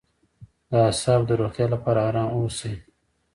د اعصابو د روغتیا لپاره ارام اوسئ